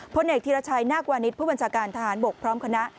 พลเอกธีรชัยนาควานิสผู้บัญชาการทหารบกพร้อมคณะ